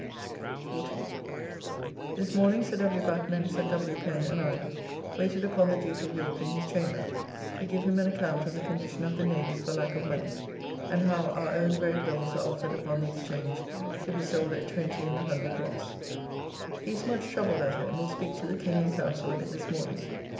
14th. This morning Sir W. Batten and Sir W. Pen and I, waited upon the Duke of York in his chamber, to give him an account of the condition of the Navy for lack of money, and how our own very bills are offered upon the Exchange, to be sold at 20 in the 100 loss. He is much troubled at it, and will speak to the King and Council of it this morning.